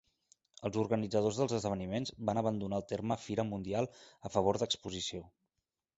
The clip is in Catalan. Els organitzadors dels esdeveniments van abandonar el terme "fira mundial" a favor d'"exposició".